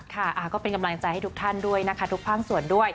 ค่ะก็เป็นกำลังใจให้ทุกท่านด้วยนะคะทุกภาคส่วนด้วย